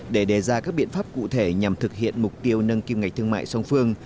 để đề ra các biện pháp cụ thể nhằm thực hiện mục tiêu nâng kim ngạch thương mại song phương